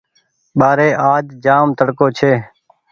ٻآري آج جآم تڙڪو ڇي۔